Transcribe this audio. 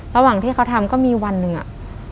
ระหว่างที่เขาทำก็มีวันหนึ่งอะ